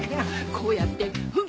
こうやってフッ。